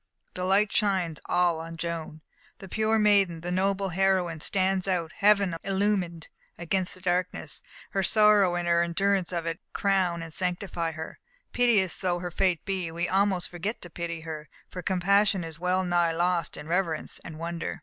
The light shines all on Joan. The pure maiden, the noble heroine, stands out, heaven illumined, against the darkness. Her sorrow and her endurance of it crown and sanctify her. Piteous though her fate be, we almost forget to pity her, for compassion is well nigh lost in reverence and wonder.